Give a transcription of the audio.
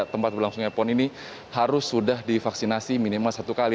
tempat berlangsungnya pon ini harus sudah divaksinasi minimal satu kali